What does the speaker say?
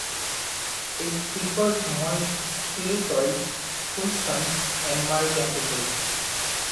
It prefers moist, clay soil, full sun, and mild temperatures.